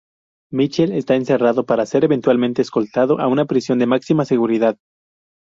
Michael está encerrado para ser eventualmente escoltado a una prisión de máxima seguridad.